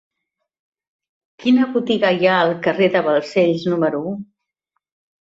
Quina botiga hi ha al carrer de Balcells número u?